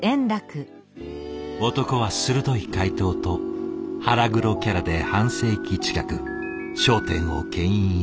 男は鋭い回答と腹黒キャラで半世紀近く「笑点」をけん引し続けた。